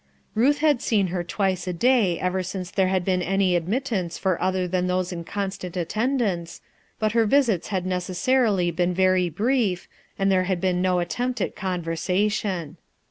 Ruth had seen her twice a day ever since there had been any admittance for other than those in constant attendance, but her visits had nec essarily been very brief, and there had been no attempt at conversation.